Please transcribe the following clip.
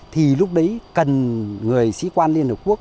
thì lúc đấy cần người sĩ quan liên hợp quốc